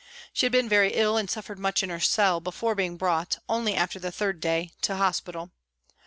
She had been very ill and suffered much in her cell before being brought, only after the third day, to hospital.